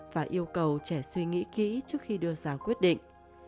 và yêu cầu trẻ suy nghĩ kỹ trước khi đưa ra quyết định